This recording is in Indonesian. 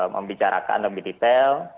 membicarakan lebih detail